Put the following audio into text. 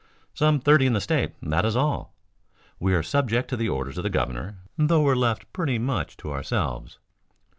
"Some thirty in the state, that is all. We are subject to the orders of the governor, though we're left pretty much to ourselves."